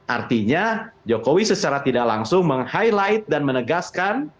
artinya jokowi secara tidak langsung meng highlight dan menegaskan